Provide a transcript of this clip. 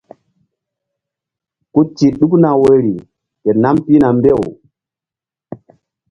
Ku ti ɗukna woyri ke nam pihna mbew.